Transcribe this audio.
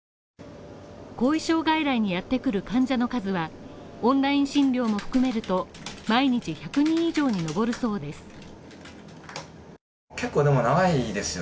後遺症外来にやってくる患者の数は、オンライン診療も含めると、毎日１００人以上に上るそうです。